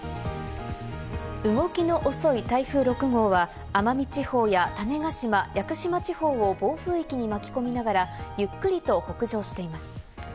動きの遅い台風６号は奄美地方や種子島、屋久島地方を暴風域に巻き込みながら、ゆっくりと北上しています。